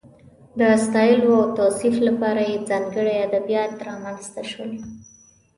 د ستایلو او توصیف لپاره یې ځانګړي ادبیات رامنځته شول.